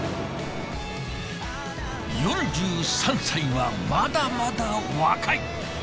４３歳はまだまだ若い。